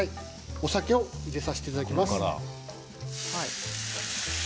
お酒を入れさせていただきます。